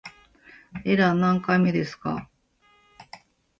エラー何回目ですか